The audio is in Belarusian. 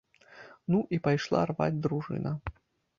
Ну, і пайшла рваць дружына!